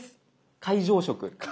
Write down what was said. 会場食。